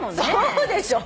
そうでしょ？